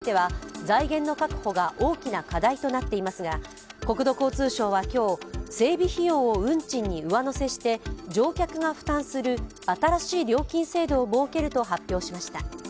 駅のバリアフリー施設の整備については、財源の確保が大きな課題となっていますが、国土交通省は今日、整備費用を運賃に上乗せして乗客が負担する新しい料金制度を設けると発表しました。